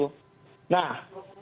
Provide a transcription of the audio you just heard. nah pertanyaan ini